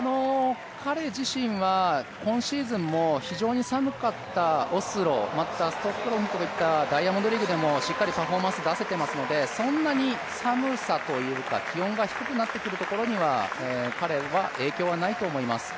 彼自身は、今シーズンも非常に寒かったオスロ、またストックホルムといったダイヤモンドリーグでもしっかりパフォーマンス出せていますのでそんなに寒さというか気温が低くなってくるところには彼は影響はないと思います。